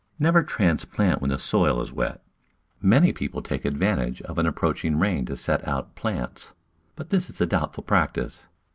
Never transplant when the soil is wet. Many people take advantage of an approaching rain to set out plants, but this is a doubtful practice.